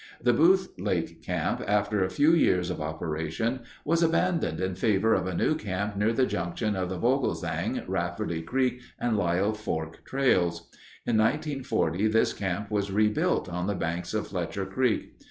The Boothe Lake Camp, after a few years of operation, was abandoned in favor of a new camp near the junction of the Vogelsang, Rafferty Creek, and Lyell Fork trails. In 1940, this camp was rebuilt on the banks of Fletcher Creek.